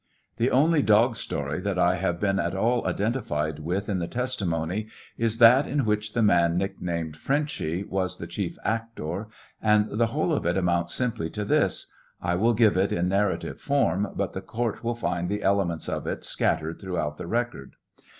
The only dog story that I have been at all identified with in the testimony is that in which the man nick named " Frenchy" was the chief actor, and the whole of it amounts simply to this : I will give it in narrative form, but the court will find the elements of it scattered throughout the record.